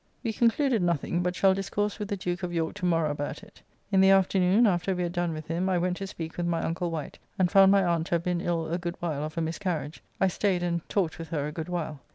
We concluded nothing; but shall discourse with the Duke of York to morrow about it. In the afternoon, after we had done with him, I went to speak with my uncle Wight and found my aunt to have been ill a good while of a miscarriage, I staid and talked with her a good while.